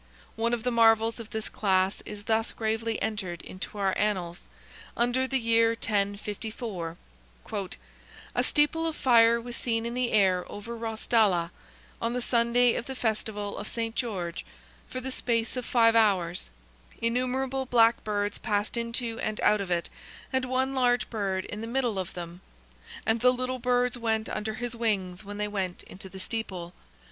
One of the marvels of this class is thus gravely entered in our Annals, under the year 1054—"A steeple of fire was seen in the air over Rossdala, on the Sunday of the festival of St. George, for the space of five hours; innumerable black birds passed into and out of it, and one large bird in the middle of them; and the little birds went under his wings when they went into the steeple.